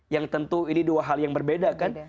yang tentu ini dua hal yang berbeda kan